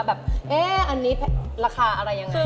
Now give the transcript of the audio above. และจะไปเข้าร้าน